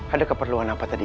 ada keperluan apa tadi